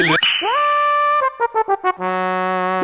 เดี๋ยว